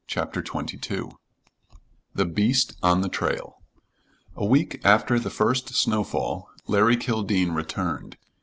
CHAPTER XXII THE BEAST ON THE TRAIL A week after the first snowfall Larry Kildene returned.